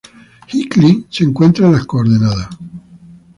Hinckley se encuentra en las coordenadas.